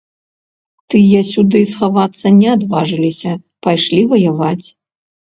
Тыя сюды схавацца не адважыліся, пайшлі ваяваць.